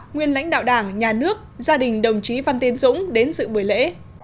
nguyên lãnh đạo đảng nhà nước gia đình đồng chí văn tiến dũng đến dự buổi lễ